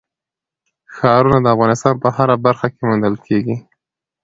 ښارونه د افغانستان په هره برخه کې موندل کېږي.